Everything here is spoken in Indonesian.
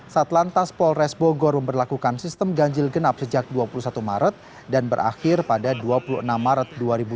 satlantas polres bogor memperlakukan sistem ganjil genap sejak dua puluh satu maret dan berakhir pada dua puluh enam maret dua ribu dua puluh